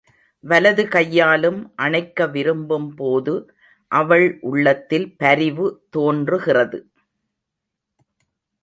வலது கையாலும் அணைக்க விரும்பும்போது அவள் உள்ளத்தில் பரிவு தோன்றுகிறது.